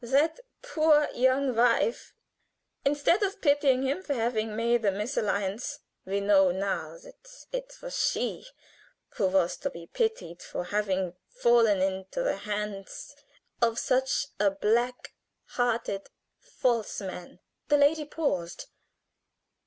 "That poor young wife! Instead of pitying him for having made a mésalliance, we know now that it was she who was to be pitied for having fallen into the hands of such a black hearted, false man." The lady paused.